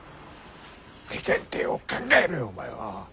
世間体を考えろよお前は。